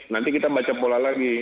jadi kita baca pola lagi